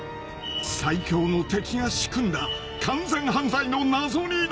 ［最強の敵が仕組んだ完全犯罪の謎に挑む］